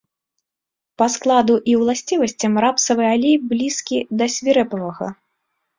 Па складу і уласцівасцям рапсавы алей блізкі да свірэпавага.